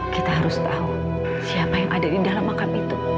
kita harus tahu siapa yang ada di dalam makam itu